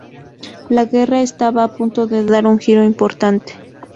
La guerra estaba a punto de dar un giro importante.